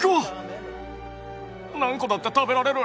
何個だって食べられる！